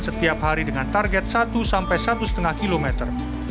setiap hari dengan target satu sampai satu lima kilometer